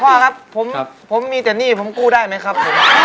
พ่อครับผมมีแต่หนี้ผมกู้ได้ไหมครับผม